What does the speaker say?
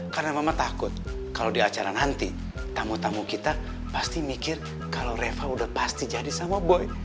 karena mama takut kalau di acara nanti tamu tamu kita pasti mikir kalau reva udah pasti jadi sama boy